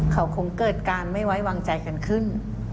เขาคงเกิดการไม่ไว้วางใจกันขึ้น